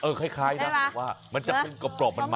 เออคล้ายนะว่ามันจะเป็นกรอบมันมัน